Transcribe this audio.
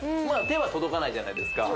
手は届かないじゃないですか